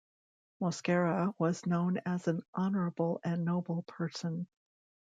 Mosquera was known as an honorable and noble person.